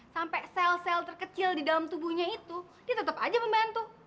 sampai sel sel terkecil di dalam tubuhnya itu dia tetap aja membantu